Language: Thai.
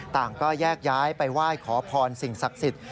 ต่างก็แยกย้ายไปไหว้ขอพรสิ่งศักดิ์สิทธิ